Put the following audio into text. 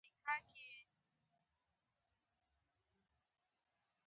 د سړک نښې باید په سمه توګه وښودل شي.